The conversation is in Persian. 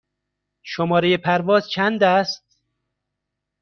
شماره پرواز چند است؟